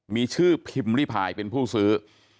มีชื่อพิมพ์ริพายเป็นผู้ซื้อ